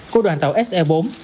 của đoàn tàu se bốn